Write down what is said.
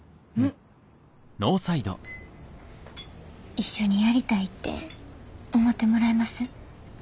一緒にやりたいって思ってもらえます？